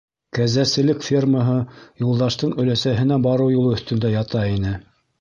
Кәзәселек фермаһы Юлдаштың өләсәһенә барыу юлы өҫтөндә ята ине.